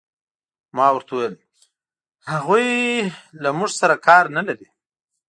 ما ورته وویل: هغوی له موږ سره کار نه لري.